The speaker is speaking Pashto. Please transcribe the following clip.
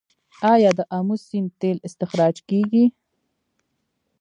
آیا د امو سیند تیل استخراج کیږي؟